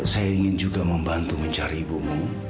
saya ingin juga membantu mencari ibumu